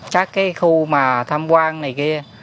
các cái khu mà tham quan này kia